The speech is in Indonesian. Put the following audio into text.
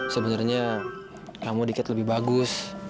sebenarnya kamu dikit lebih bagus